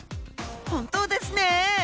本当ですね！